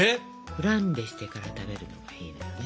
フランベしてから食べるのがいいのよ。